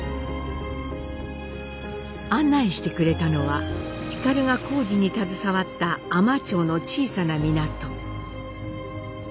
案内してくれたのは皓が工事に携わった海士町の小さな港。